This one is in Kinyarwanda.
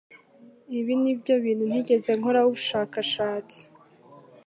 ibi nibyo bintu ntigeze nkoraho ubushakashatsi